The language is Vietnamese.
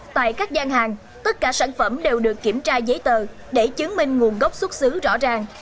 tại các gian hàng tất cả sản phẩm đều được kiểm tra giấy tờ để chứng minh nguồn gốc xuất xứ rõ ràng